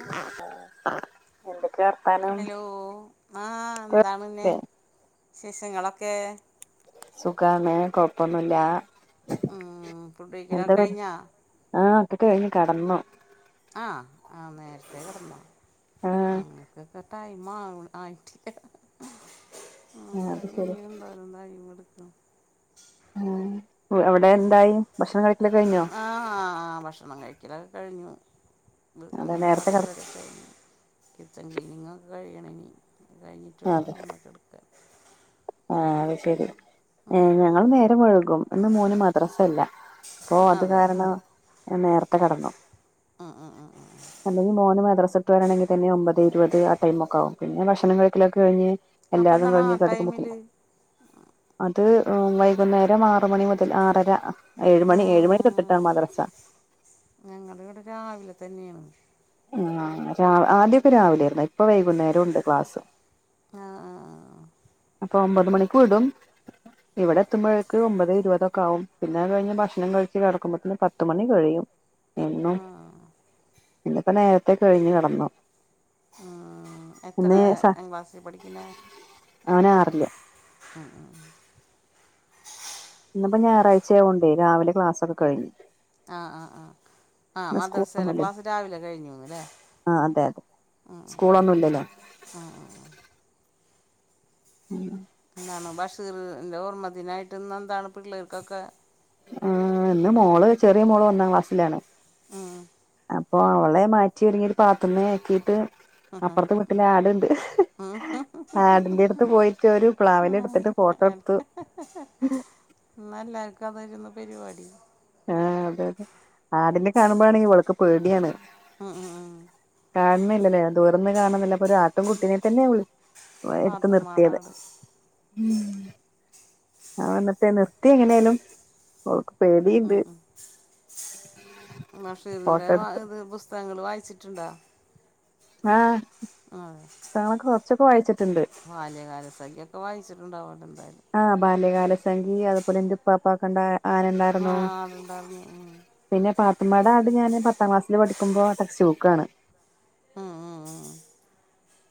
ഏഹ് എന്തവർതാനം ഹലോ ആഹ് എന്താണ് പിന്നെ വിശേഷങ്ങളൊക്കെ? സുഖാണ് കുഴപ്പൊന്നില്ല. ഉം ഫുഡ് കഴിക്കലൊക്കെ കഴിഞ്ഞോ? ആഹ് ഒക്കെ കഴിഞ്ഞു കടന്നു. ആഹ് ആ നേരത്തെേ കെടന്നു ആഹ് ഞങ്ങൾക്കക്കെ ടൈം ആവുണു ആയിട്ട് ആഹ് അത് ശരി [unintelligible] ന്തായി പട്ത്തം ഉം അവിടെ എന്തായി ഭക്ഷണം കഴിക്കലൊക്ക കഴിഞ്ഞോ? ആഹ് ഭക്ഷണം കഴിക്കലൊക്കെ കഴിഞ്ഞു. അതെ നേരത്തെ കട [unintelligible] കിച്ചൺ ക്ലീനിങ്ങൊക്കെ കഴിയണം ഇനി അത് കഴിഞ്ഞിട്ട് വേണം വന്ന് കെടക്കാൻ. ആ അത് ശരി ഉം, ഏഹ് ഞങ്ങൾ നേരം വൈകും ഇന്ന് മോന് മദ്രസ ഇല്ല. അപ്പോ അത് അതെ കാരണം ഞാൻ നേരത്തെ കെടന്നു. ഉം ഉം ഉം അല്ലെങ്കി മോന് മദ്രസ്സ് വിട്ട് വരണെങ്കി തന്നെ ഒമ്പതെ ഇരുപത് ആ ടൈമൊക്കെ ആവും. പിന്നെ ഭക്ഷണം കഴിക്കലൊക്കെ കഴിഞ്ഞ് അപ്പം എല്ലാതും എന്താണ് ആ കഴിഞ്ഞ് ടൈമിൽ കിടക്കുമ്പത്തിന് അത് വൈകുന്നേരം ആറ് മണി മുതൽ ആറര ഏഴ് മണി ഏഴ് മണി തൊട്ടിട്ടാണ് മദ്രസ. ഞങ്ങളിവിടെ രാവിലെ തന്നെയാണ് ആഹ് ആദ്യമൊക്കെ രാവിലെർന്നു ഇപ്പോ വൈകുന്നേരം ഉണ്ട് ക്ലാസ്സ്. ആഹ് അപ്പോ ഒമ്പത് മണിക്ക് വിടും ഇവിടെ എത്തുമ്പോഴേക്ക് ഒമ്പത് ഇരുപതൊക്കെ ആവും. പിന്നെ അത് കഴിഞ്ഞ് ഭക്ഷണം കഴിച്ച് കെടക്കുമ്പത്തിന് പത്ത് മണി കഴിയും ആഹ് എന്നും ആഹ് ഇന്നിപ്പോ നേരത്തേ കഴിഞ്ഞ് കെടന്നു. ആഹ് എത്രെ സ ക്ലാസ്സിൽ പഠിക്കണേ അവന് ആറില് ഇന്ന്പ്പോ ഞായാഴ്ചയാവോണ്ടെ രാവിലെ ക്ലാസൊക്കെ കഴിഞ്ഞു. ആ ആ ആ ആ ഇന്ന് മദ്രസയിലെ ക്ലാസ്സ് രാവിലെ കഴിഞ്ഞൂന്ന് ലെ? ആ അതെ അതെ സ്കൂളൊന്നും ല്ലല്ലോ? ആഹ ആ ആ ഉം എന്താണ് ബഷീറിന്റെ ഓർമ്മ ദിനായിട്ട് ഇന്ന് എന്താണ് പിള്ളേർക്കൊക്കെ ആഹ് എന്റെ മോള് ചെറിയ മോള് ഒന്നാം ക്ലാസ്സിലാണ്. ആഹ് അപ്പൊ അവളെ മാറ്റി ഒരുങ്ങി പാത്തുമ്മ ആക്കീട്ട് ഉം അപ്പുറത്തെ വീട്ടില് ആടുണ്ട്. ഉം ആടിന്റെ അടുത്ത് പോയിട്ട് ഒരു പ്ലാവില എടുത്തിട്ട് ഫോട്ടോ എടുത്തു. ഇന്ന് എല്ലർക്കും അത് ആരുന്ന് പരിപാടി. ആഹ് അതെ അതെ ആടിനെ കാണുമ്പോ ആണെങ്കിൽ ഇവൾക്ക് പേടിയാണ്. ആഹ് ആഹ് കാണുന്നില്ലല്ലേ ദൂരന്ന് കാണുന്നില്ല അപ്പ ഒരു ആട്ടും കുട്ടിനെ തന്നെള്ളൂ ഓഹ് എടുത്ത് പാത്തുമ്മാടെ നിർത്തിയത് ആട് മ്ഹ് ആഹ് എന്നിട്ട് നിർത്തിയ എങ്ങനെലും ഓൾക്ക് പേടി, മ്ഹ് മ്ഹ് ഫോട്ടോ ബഷീറിന്റെ വാ എടുത്ത് ഇത് പുസ്തകങ്ങള് വായിച്ചിട്ടുണ്ടോ? ആഹ് ആഹ് പുസ്തകങ്ങളൊക്കെ കുറച്ചോക്കെ വായിച്ചിട്ടുണ്ട്. ബാല്യകാലസഖിയോക്കെ വായിച്ചിട്ടുണ്ടാവുല്ലോ എന്തായാലും? ആഹ് ബാല്യകാലസഖി അതുപോലെ എന്റെ ഉപ്പാപ്പക്കൊണ്ട ആന ഉണ്ടാരുന്നു. ആഹ് ആടുണ്ടായിരുന്നു ഉം പിന്നെ പാത്തുമ്മടെ ആട് ഞാൻ പത്താം ക്ലാസിൽ പഠിക്കുമ്പോ ടെസ്റ്റ് ബുക്കാണ്.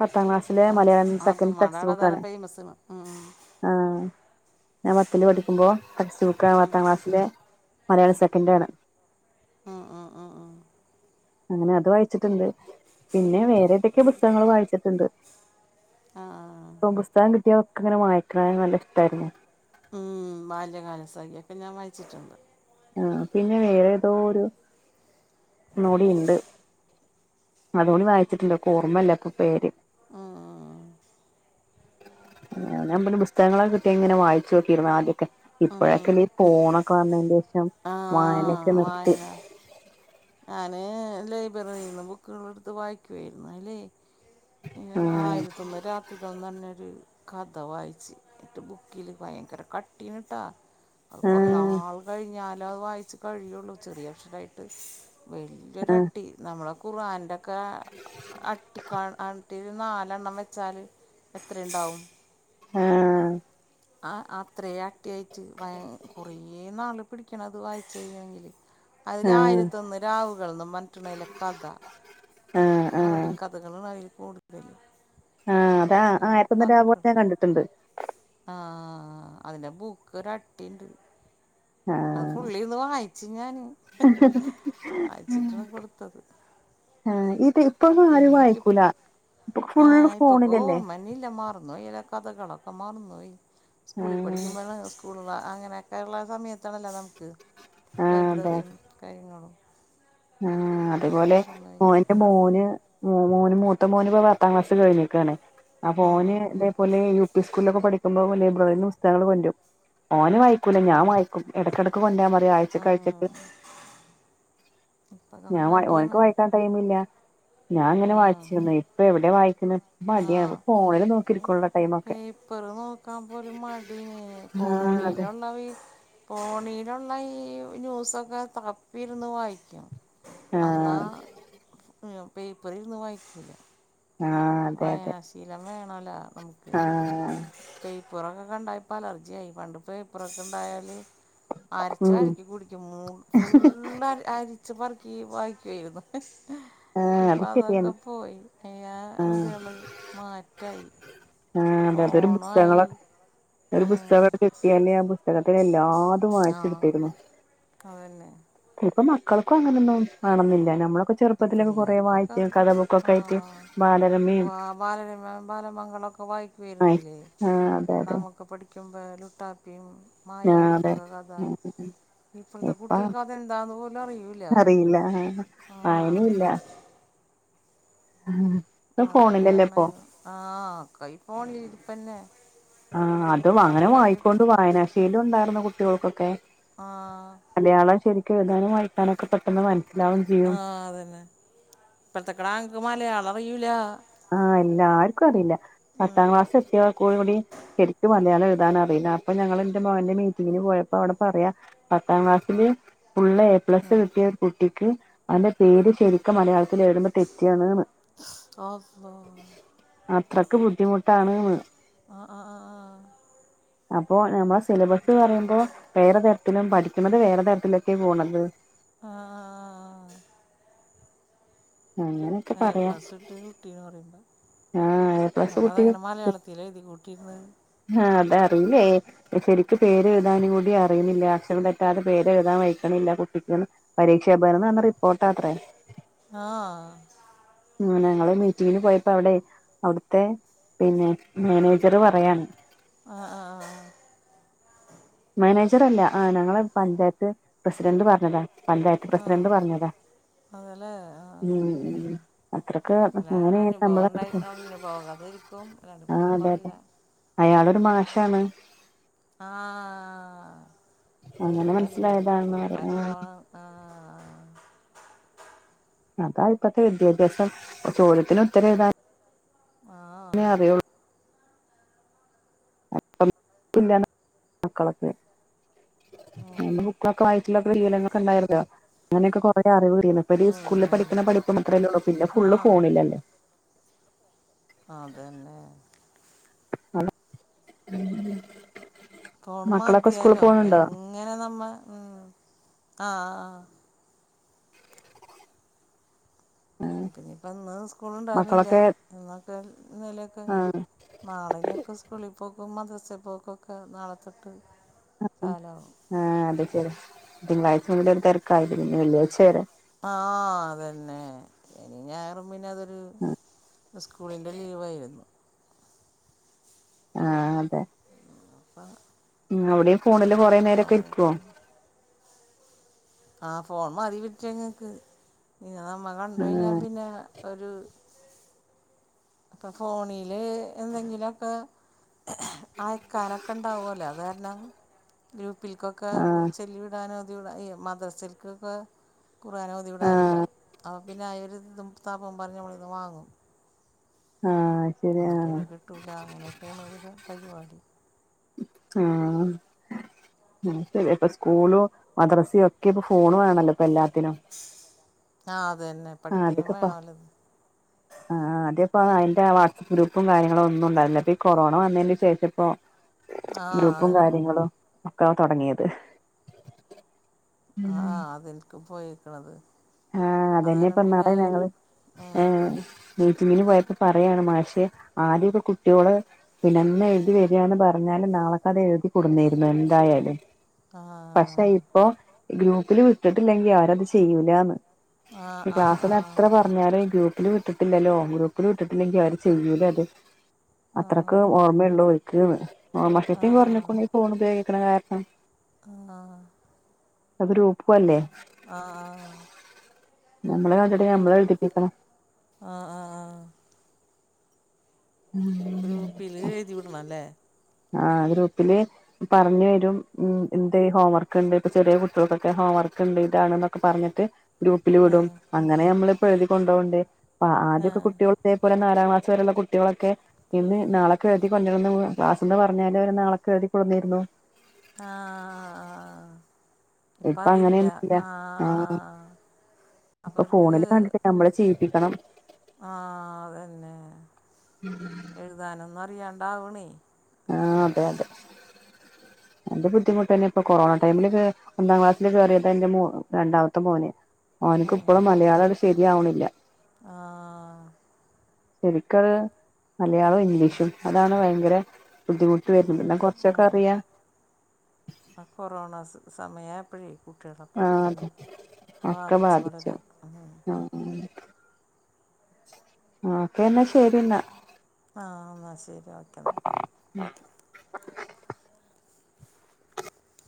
പത്താം ക്ലാസ്സിലേ മലയാളം, സെക്കൻഡ് ടെക്സ്റ്റ് പത്തുമ്മാടാടാണ് അതാര് ബുക്കാണ് ഫേമസണ് ഉം ആഹ് ഞാൻ പത്തിൽ പഠിക്കുമ്പോ ടെക്സ്റ്റ് ബുക്കാ പത്താം ക്ലാസ്സിലെ മലയാളം സെക്കന്റാണ്. അങ്ങനെ അത് വായിച്ചിട്ടുണ്ട് പിന്നെ വേറെ ഏതൊക്കെ പുസ്തകങ്ങൾ വായിച്ചിട്ടുണ്ട്. ആഹ് ഇപ്പം പുസ്തകം കിട്ടിയൊക്കെ ഇങ്ങന വായിക്കണ നല്ല ഇഷ്ട്ടായിരുന്നു ഉം ബാല്യകാലസഖിയൊക്കെ ഞാൻ വായിച്ചിട്ടുണ്ട്. ആഹ് പിന്നെ വേറെ ഏതോ ഒരു ഒന്നൂടിയുണ്ട്. അതുടി വായിച്ചിട്ടുണ്ട് ഇപ്പൊ ഓർമയില്ല ഇപ്പൊ പേര്. ഉം നമ്മള് പുസ്തകങ്ങളെക്കെ കിട്ടിയാ ഇങ്ങനെ വായിച്ചോക്കിയിരുന്നു ആദ്യൊക്കെ ഉം ഇപ്പഴൊക്കില്ലേ ഈ ഫോണൊക്കെ വന്നെന്റെഷം ആ വായനക്കെ നിർത്തി. ആന്ന് ലൈബ്രറിന്ന് ബുക്കുകൾ എടുത്ത് വായിക്കുവായിരുന്നു ല്ലേ ആ ആയി രത്തൊന്നുരാത്രികൾ ന്നു പറഞ്ഞൊരു കഥ വായിച്ച് ഇട്ട് ബുക്കില് ഭയങ്കര കട്ടീന് ട്ട അത് കുറെ ആ നാൾ കഴിഞ്ഞാല അത് വായിച്ച് കഴിയുള്ളു ചെറിയക്ഷരായിട്ട്, വലിയൊരട്ടി നമ്മളെ ഖുറാന്റോക്കെ അട്ടി ക ഇത് നാലെണ്ണം വെച്ചാൽ എത്ര ഉണ്ടാവും? ആഹ് ആഹ് അത്രേ അട്ടി ആയിട്ട് വ കുറേ നാള് പിടിക്കണം അത് വായിച്ച് കഴിയണങ്കില്. അതിൽ ആ ആയിരത്തൊന്ന് രാവുകൾന്ന് പറഞ്ഞിട്ടാണതിലെ കഥ ആ ആ അറബി കഥ [inaudible] ആഹ് അതാ ആയിരത്തോന്ന് രാവുകൾ ഞാൻ കണ്ടിട്ടുണ്ട് ആഹ് അതിന്റെ ബൂക്ക് ഒരു അട്ടിയുണ്ട്. ആ അത് ഫുള്ളിരുന്ന് വായിച്ചു ഞാന് വായിച്ചിട്ടാണ് കൊടുത്തത് ആഹ് ഇപ്പ ഇപ്പ ആരും പിന്നെയൊക്കെ വായിക്കൂല ഇപ്പം ഇപ്പൊ ഫുള്ള് ഫോണിലല്ലേ. ഇല്ലില്ല മറന്ന് പോയി അതിലെ കഥകളൊക്കെ മറന്ന് പോയി സ്കൂളിൽ ആഹ് പഠിക്കുമ്പോഴാ സ്കൂളിലുള്ള അങ്ങനെയൊക്കെയുള്ള സമയത്താണല്ലോ നമുക്ക് ആഹ് അതെ ലൈബ്രറിയും കാര്യങ്ങളും ആഹ് ഒക്കെ അതുപോലെ മറന്നുപോയി എന്റെ മോന് മോന് മൂ ത്ത മോൻ ഇപ്പോ പത്താം ക്ലാസ് കഴിഞ്ഞിക്കാണ് അപ്പൊ ഓന് ഇതേപോലേ യുപി സ്കൂളൊക്കെ പഠിക്കുമ്പോ ലൈബ്രറിന്ന് പുസ്തകങ്ങള് കൊണ്ടു വരും ഓന് ആ വായിക്കൂല ഞാൻ വായി ക്കും ഇടക്കിടക്ക് കൊണ്ടാ പറയു ആഴ്ച കാഴ്ചക്ക് ഇപ്പം ഞാൻ ഓനക്ക് മടിയാണ് വായിക്കാൻ ടൈമില്ല ഞാൻ ഇങ്ങനെ ആ വായിച്ചിരുന്നു ഇപ്പൊ എവിടെ വായിക്കുന്ന? മടിയ ഫോണിൽ ആഹ് നോക്കിരിക്ക പേപ്പറ് നോക്കാൻ പോലും മടിയാണ്, ആഹ് അതെ ഫോണിലുള്ളവ ഫോണീലുള്ള ഈ ന്യൂസൊക്കെ തപ്പിരുന്ന് വായിക്കും അന്നാ ആഹ് പേപ്പറിരുന്ന് വായിക്കില്ല ആഹ് അതെ അതെ വായനാശീല്ലാം വേണല്ലോ നമുക്ക് ആഹ് പേ പറൊക്കെ കണ്ടായ ഇപ്പോ അലർജിയ ആയി പണ്ടിപ്പോ ഇ പേപ്പുറൊക്കെ ഉണ്ടായാല് അരച്ച ഉം അരക്കി കുടിക്കും മൂ ഫുള് അരിച്ച് പറക്കി വായിക്കയിരുന്നു ആഹ് ഇപ്പൊ അത് അതൊക്കെ ശരിയാണ് പോയി അ്യ ആഹ് ളെ മാറ്റായി ആഹ അതെ അതൊരു പുസ്തകങ്ങള ഫോണായി ആ ഒരു പുസ്തകം എടു കിട്ടിയാലേ ആ പുസ്തകത്തി എല്ലാതും ആ വായിച്ചു എടു കുവായിരുന്നു അതന്നെ ഇപ്പ മക്കൾക്കും അങ്ങനെന്നോന്നും വേണം ന്നില്ല നമ്മളൊക്കെ ഈ ചെറുപ്പത്തിലൊക്കെ കൊറെ പിള്ളേർക്കൊക്കെ വായിച്ച ഇപ്പം കഥ ബുക്കൊക്കെ ആയിട്ട് ബാലരമി ബാലര ബാലമംഗളൊക്കെ ആയി വായിക്കുായിരുന്നില്ലേ ആ അതെ അതെ നമൊക്കെ പഠി ക്കും പ്പ ലുട്ടാപ്പിയും ആ മായവിയുടെ അതെ ഒക്കെ കഥ ഇപ്പത്തെ ഇപ്പ കുട്ടികൾക്ക് അതെന്താന്ന് പോലും അറിയിൂല ആയിന ഇല്ല ആ ഇ ഫോണിലല്ലേ ഇപ്പോ ആഹ കൈ ഫോണി ഇപ്പന്നെ ആ അതും അങ്ങനെ വായിക്കൊണ്ട് വായനാശേയില ഉണ്ടായിരുന്ന കുട്ടികൾക്കൊക്കെ ആഹ മലയാളം ശരിക്കും ഏയുതാനും വായിക്കാനൊക്കെ പറ്റ ആഹ അതന്നെ ഇപ്പഴത്തകിടാങ്ങക്ക് മലയാള അറയിൂല ആഹ എല്ലാർക്കും അറിയില്ല പത്താം ക്ലാസ് എത്തിയെ കൂടി ശരിക്കും മലയാളം എഴുതാൻ അറിയില്ല അപ്പൊ ഞങ്ങൾ എന്റെ മകന്റെ മീറ്റിങ്ങിന് പോയപ്പോ അവിടെ പറയാ പത്താം ക്ലാസ്സിലി ഫുള്ള് എ ഉം. പ്ലസ് കിട്ടിയ കുട്ടിക്ക് അവന്റെ പേര് ശരിക്കും മലയാളത്തിൽ എഴതുമ്പോ തെറ്റിയാണ് സ് അള്ളാ അത്രയ്ക്ക് ബുദ്ധിമുട്ടാണ് ന്ന് ആ ആ ആ ആ അപ്പോ നമ്മളെ സിലബസ് പറയുമ്പോ വേറെ തരത്തിലും പഠിക്കുന്നത് വേറെ തരത്തിലൊക്കെ പോണത് ആ ആ ആ അങ്ങനെയൊക്കെ ഏ പറയാ പ്ലസ് കുട്ടീന്ന് പറയുമ്പ ആഹ് എ പ്ലസ് അതതങ്ങനെ മലയാളത്തി തിലഴുതി കൂട്ടിയിരന്ന് ആഹ അതറീല്ലേ ശരിക്കും പേര്ഴുതാനും കൂടി അറിയുന്നില്ല അക്ഷരം തെറ്റാതെ പേര്ഴുതാൻ വൈക്കണില്ല കുട്ടിക്കന്ന് പരീക്ഷാ ഭവനിൽ ന്ന് വന്ന റിപ്പോർട്ട് അത്രേ ആഹ ഉ ഞങ്ങള് മീറ്റിങ്ങിന് പോയപ്പോ അവിടെ അവിടുത്തെ പിന്നെ മാനേജറ് പറയാണ് ആഹ ആ ആ ആ് മാനേജർ അല്ല ആ ഞങ്ങള് പഞ്ചായത്ത് പ്രസിഡന്റ് പറഞ്ഞതാ പഞ്ചായത്ത് ആ പ്രസിഡന്റ് പറഞ്ഞതാ അതല്ലേ ആ ഉം അത്രക്ക് അല്ല അങ്ങനെ നമ്മളെ അനുഭവണ്ടായി അനുഭവതെരിക്ക ക്കും അല്ലാണ്ട് ഇപ്പം ആഹ് ഇങ്ങനെ അതെ അതെ പറയില്ല അയാളൊരു മാഷാണ് ആഹ അങ്ങനെ വെറുതല്ല മനസ്സിലായതാണെന്ന് അപ്പം പറയാ ആഹ് അനുഭവാണ് ആ അതാ ഇപ്പഴത്തെ വിദ്യാഭ്യാസം ചോദ്യത്തിന് ഉത്തരം എഴുതാൻ ആ ആ [inaudible] മക്കളൊക്കെ ഉം. അന്നേ ബുക്കൊക്കെ [inaudible] ഉണ്ടായിരുന്നോ അങ്ങനെയൊക്കെ കൊറെ അറിവ് കിട്ടിണ് ഇവർ സ്കൂളിൽ ഉം. പഠിക്കുന്ന പഠിപ്പ് മാത്രമേ ഉള്ളൂ പിന്നെ ആ ഫുള്ള് ഫോണില്ലല്ലേ അതന്നെ [unintelligible] ഫോൺ മക്കളൊക്കെ സ്കൂളിൽ മതില്ലോ പോണുണ്ടോ എങ്ങനെ നമ്മ ഉ ആഹ് ആഹ് അപിന്നെ ഇപ്പ ഇന്ന് സ്കൂളുണ്ടാവുന്നില്ല മക്കളൊക്കെ എന്നൊക്കെ ഇന്നലെ ഒക്കെ ആഹ് നാളിനെയൊക്കെ സ്കൂളിൽ പോക്കും മദ്രസൽ പോക്കൊക്കെ നാളെത്തൊട്ട് കാലവും ആഹ് അതെ ശെരി തിങ്കളാഴ്ച മു ഒരു തിരക്കായിതി വെള്ളിയാഴ്ച വരെ ആഹ് അതന്നെ ശനി ഞായറും പിന്നെത് ത് സ്കൂളിൻ്റെ ലീവായിരുന്നു ആഹ് അതെ അപ്പം ഉ അവടിം ഫോണില് കൊറേ നേരൊക്കെ അതൊക്കെ ഇക്കുവോ കഴിഞ്ഞ് ആ ഫോൺ മതി വിറ്റങ്ങൾക്ക് ഇന്ന നമ്മ കണ്ട കഴിഞ്ഞാൽ ആഹ് പിന്നെ ഒരു അപ്പൊ ഫോണില് എന്തെങ്കിലും ഒക്കെ ആയക്കാറൊക്കെ ണ്ടാവലേ അത് കാരണം ഗ്രൂപ്പിൽക്കൊക്കെ ആഹ് ചെല്ലിവിടാനും ഓതിവിടാ മദ്രസിൽക്കൊക്കെ ഖുറാനോഓതി ആഹ് വിടാനുണ്ടാവും അപ്പോ പിന്നെ അഒരിതും താപ്പം പറഞ്ഞമ്മളിന്ന് വാങ്ങും ആഹ് ശരിയാ എന്നിട്ട് പിന്നെ കിട്ടൂല അങ്ങനെയൊക്കെയാണ് ഇവരെ പരിപാടി കാ ശരി അപ്പൊ സ്കൂളും മദ്രസയോ ഒക്കെ ഇപ്പ ഫോൺ വേണല്ലോ ഇപ്പൊ എല്ലാത്തിനും ആഹ് അത്തന്നെ ആഹ് അതക്കെപ്പാ ആഹ് അതപ്പ അയിന്റെ വാട്സആപ്പ് ഗ്രൂപ്പും കാര്യങ്ങളും ഒന്നും ഉണ്ടായിരുന്നില്ല അപ്പൊ കൊറോണ വന്നതിന് ശേഷം ഇപ്പ ആ അത് ഗ്രൂപ്പും തന്നെ കാര്യങ്ങളും ഒക്കെ തുടങ്ങിയത് ആഹ് അതിൽക്ക് പോയിക്കണത് ആഹ് അതെന്നെപ്പന്നാളെ ഞങ്ങള് ആ ഏ മീറ്റിങ്ങിന് പോയപ്പോ പറയാണ് മാഷെ ആദ്യ ഇപ്പോ കുട്ടിയോള് പിന്നെ അന്ന് എഴുതി വരന്ന പറഞ്ഞാലും നാളക്ക് അത് എഴുതി കൊടുന്നേരുന്നു എന്തായാലും ആ പക്ഷെ ഇപ്പോ ഗ്രൂപ്പില് വിട്ടിട്ടില്ലെങ്കി ആരുത് ചെയ്യൂലാന്ന് ആ ആ ക്ലാസ്സ് ആ ന്ന് എത്ര പറ പറഞ്ഞാല് ഗ്രൂപ്പില് വിട്ടിട്ടില്ലല്ലോ ഗ്രൂപ്പില് വിട്ടിട്ടില്ലെങ്കി ആര് ചെയ്യൂല അത് അത്രക്ക് ഓർമ്മയുള്ളൂ ഓര്ക്ക്ന്ന് ഓർമ്മ ആ ആ ശക്തിം ആ കുറഞ്ക്ക്ണ് ഈ ഫോൺ ഉപയോഗിക്കണ കാരണം ആഹ് അതരു പ്പ അല്ലേ ആഹ് ആഹ് നമ്മളെ കണ്ടിട്ട് നമ്മളെ എഴ്തിപ്പിക്കണം ആഹ് ആഹ് ആഹ് ഗ്രൂപ്പില് എഴുതി വിടണം ല്ലേ ആഹ് ഗ്രൂപ്പില് പറഞ്ഞ് വരും ഉ എന്ത്ഈ ഹോംവർക്ക് ണ്ട് ഇപ്പൊ ചെറിയ കുട്ടികൾതോക്കെ ഹോംവർക്ക് ണ്ട് ഇതാണ് പറഞ്ഞിട്ട് ഗ്രൂപ്പിൽ ആ വിടും അങ്ങനെ നമ്മളിപ്പോ എഴുതി കൊണ്ടോവിണ്ട് പ്പോ ആ ആദ്യൊക്കെ കുട്ടിയോള അതേപോലെ നാലാം ക്ലാസ്സ് വരുള്ള കു കുട്ടിയോളൊക്കെ ഇന്ന് നാളെക്കെ എഴുതി കൊണ്ടിരന്ന് ക്ലാസ്ന്ന് പറഞ്ഞാല് അവരെ നാളൊക്കെ എഴതി കൊട്ന്നിരുന്നു ആഹ് ആഹ് ഇപ്പ അങ്ങനെയൊന്നല്ല ആ അപ്പം ഇപ്പ അവർക്ക് ഫോണില് കണ്ടിട്ടില്ല നമ്മള് ചെയ് പ്പിക്കണം ആഹ് അതന്നെ ഉം [unintelligible] എഴുതാനൊന്നും അറിയാണ്ടവണേ ആഹ് അതെ അതെ എന്റെ ബുദ്ധിമുട്ട്ന്നെ ഇപ്പൊ കൊറോണ ടൈമിലൊക്കെ രണ്ടാം ക്ലാസ്സില് കേറിയതാ എന്റെ മോ രണ്ടാമത്തെ മോന്. ഓൻക്ക് ഇപ്പോഴും മലയാളം അട് ശരിയാവണില്ല ആഹ് ശരിക്കത് മലയാളവും ഇംഗ്ലീഷും അതാണ് ഭയങ്കര ബുദ്ധിമുട്ട് വരുന്നത്. എന്നാ ബുദ്ധിമുട്ട് ആ കുറച്ചൊക്കെ അറിയാ ആ കൊറോണാസ് സമയായപ്പഴേ കുട്ടികളെ ആഹ് അതെ പഠിപ്പിനെ ഒക്കെ ബാധിച്ച് ബാധിച്ചു വളരെ അതാണ്‌ ആഹ് ആഹ് ഒക്കെ എന്നാ ശരിന്നാ ആഹ് എന്നാശരി ഓക്കെന്നാ